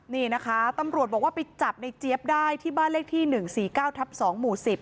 นี่นะคะตำรวจบอกว่าไปจับในเจี๊ยบได้ที่บ้านเลขที่๑๔๙ทับ๒หมู่๑๐